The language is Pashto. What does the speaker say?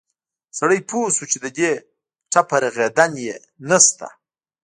سړى پوى شو چې له دې ټپه رغېدن يې نه شته.